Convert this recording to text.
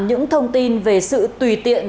những thông tin về sự tùy tiện